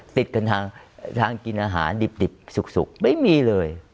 ติดกันทางกินอาหารดิบสุกไม่มีเลย